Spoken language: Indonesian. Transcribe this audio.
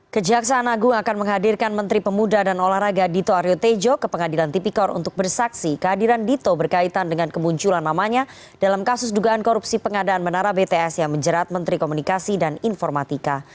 kejaksaan agung akan menghadirkan menteri pemuda dan olahraga dito aryo tejo ke pengadilan tipikor untuk bersaksi kehadiran dito berkaitan dengan kemunculan namanya dalam kasus dugaan korupsi pengadaan menara bts yang menjerat menteri komunikasi dan informatika